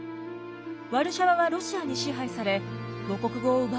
ワルシャワはロシアに支配され母国語を奪われたのです。